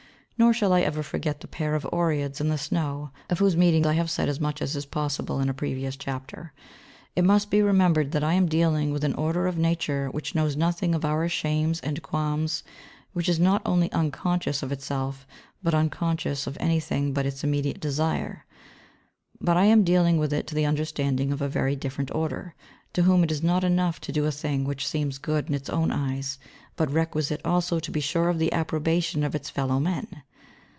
Nor shall I ever forget the pair of Oreads in the snow, of whose meeting I have said as much as is possible in a previous chapter. It must be remembered that I am dealing with an order of Nature which knows nothing of our shames and qualms, which is not only unconscious of itself but unconscious of anything but its immediate desire; but I am dealing with it to the understanding of a very different order, to whom it is not enough to do a thing which seems good in its own eyes, but requisite also to be sure of the approbation of its fellow men.